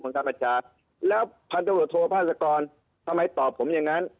ผู้กลับทางวาจาแล้วพันธุโรโทษภาษากรทำไมตอบผมอย่างนั้น